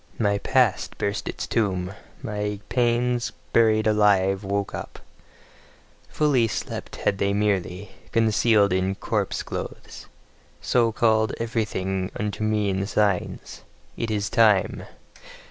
My past burst its tomb, many pains buried alive woke up : fully slept had they merely, concealed in corpse clothes. So called everything unto me in signs: "It is time!"